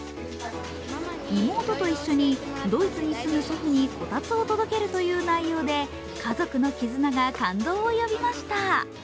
妹と一緒にドイツに住む祖父にこたつを届けるという内容で家族の絆が感動を呼びました。